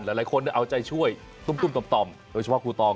หลายคนเอาใจช่วยตุ้มต่อมโดยเฉพาะครูตอม